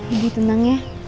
ibu tenang ya